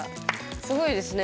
すごいですね